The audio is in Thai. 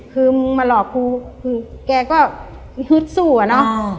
คือมึงมาหลอกกูคือแกก็ฮึดสู้อะเนาะ